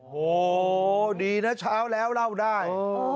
โหดีนะชาวแล้วเล่าได้